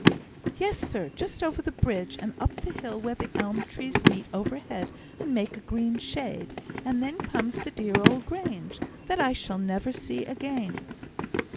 "Yes, sir, just over the bridge, and up the hill where the elm trees meet overhead and make a green shade; and then comes the dear old Grange, that I shall never see again."